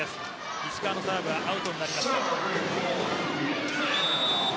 石川のサーブはアウトになりました。